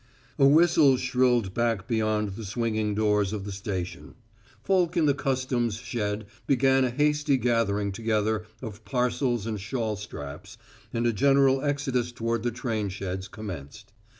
A whistle shrilled back beyond the swinging doors of the station. Folk in the customs shed began a hasty gathering together of parcels and shawl straps, and a general exodus toward the train sheds commenced.